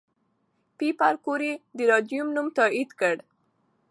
پېیر کوري د راډیوم نوم تایید کړ.